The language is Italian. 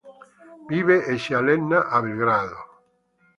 Vive e si allena a Belgrado.